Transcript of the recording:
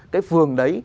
cái phường đấy